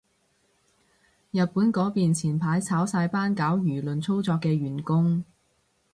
日本嗰邊前排炒晒班搞輿論操作嘅員工